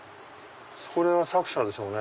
これは作者でしょうね。